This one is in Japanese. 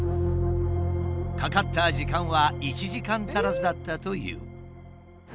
かかった時間は１時間足らずだったという。